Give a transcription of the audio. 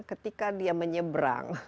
ketika dia menyebrang